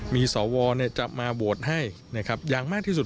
มีสวจะมาโบสถ์ให้อย่างมากที่สุด